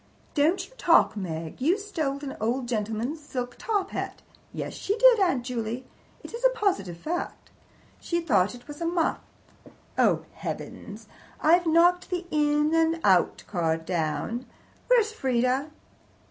"Don't you talk, Meg! You stole an old gentleman's silk top hat. Yes, she did, Aunt Juley. It is a positive fact. She thought it was a muff. Oh, heavens! I've knocked the In and Out card down. Where's Frieda?